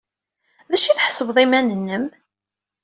D acu ay tḥesbeḍ iman-nnem?